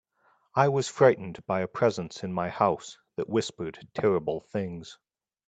I was frightened by a presence in my house that whispered terrible things.